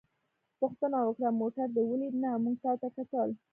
پوښتنه وکړه: موټر دې ولید؟ نه، موږ تا ته کتل.